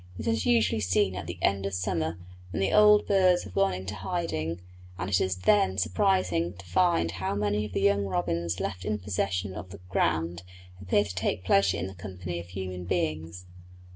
This is usually seen at the end of summer, when the old birds have gone into hiding, and it is then surprising to find how many of the young robins left in possession of the ground appear to take pleasure in the company of human beings.